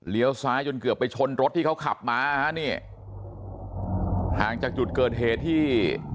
ซ้ายจนเกือบไปชนรถที่เขาขับมาฮะนี่ห่างจากจุดเกิดเหตุที่